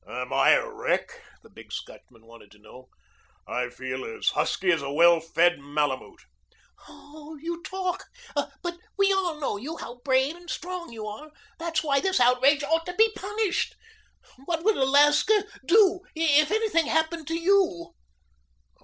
"Am I a wreck?" the big Scotchman wanted to know. "I feel as husky as a well fed malamute." "Oh, you talk. But we all know you how brave and strong you are. That's why this outrage ought to be punished. What would Alaska do if anything happened to you?"